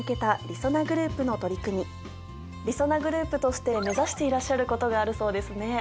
りそなグループとして目指していらっしゃることがあるそうですね？